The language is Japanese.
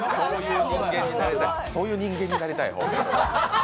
そういう人間になりたい、ホンマに。